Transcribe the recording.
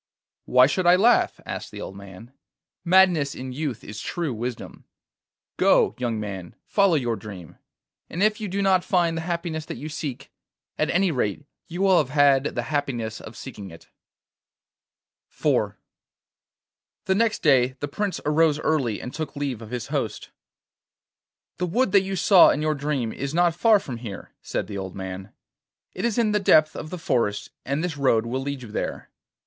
'Why should I laugh?' asked the old man. 'Madness in youth is true wisdom. Go, young man, follow your dream, and if you do not find the happiness that you seek, at any rate you will have had the happiness of seeking it.' IV The next day the Prince arose early and took leave of his host. 'The wood that you saw in your dream is not far from here,' said the old man. 'It is in the depth of the forest, and this road will lead you there.